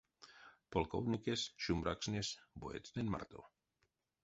Полковникесь шумбракстнесь боецтнэнь марто.